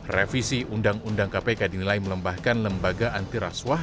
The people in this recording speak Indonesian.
revisi undang undang kpk dinilai melembahkan lembaga antiraswah